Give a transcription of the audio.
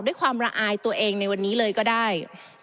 ความละอายตัวเองในวันนี้เลยก็ได้